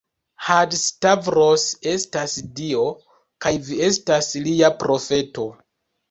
Haĝi-Stavros estas Dio, kaj vi estas lia profeto.